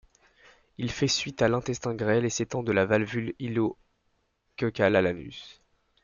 Il fait suite à l’intestin grêle et s’étend de la valvule iléo-cæcale à l’anus.